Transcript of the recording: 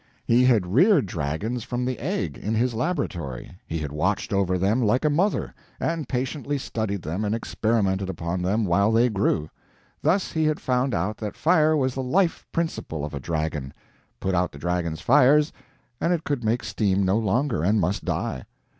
He had reared dragons from the egg, in his laboratory, he had watched over them like a mother, and patiently studied them and experimented upon them while they grew. Thus he had found out that fire was the life principle of a dragon; put out the dragon's fires and it could make steam no longer, and must die.